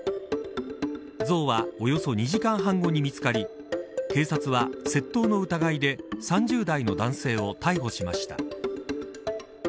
像はおよそ２時間半後に見つかり警察は、窃盗の疑いで３０代の男性を逮捕しました。